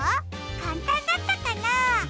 かんたんだったかな？